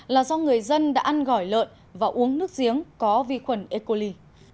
là do người dân đã ăn gỏi lợn và uống nước giếng có vi khuẩn e coli